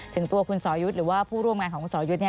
ถึงตัวคุณสอยุทธ์หรือว่าผู้ร่วมงานของคุณสรยุทธ์